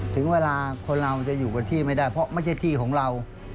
ถึงเวลาคนเราจะอยู่กับที่ไม่ได้เพราะไม่ใช่ที่ของเรา